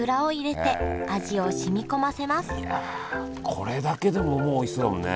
これだけでももうおいしそうだもんね。